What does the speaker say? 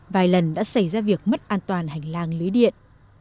vài lần đã xảy ra việc mất an toàn hành lang lưới điện